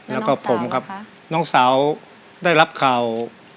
แล้วก็ผมครับน้องสาวได้รับข่าว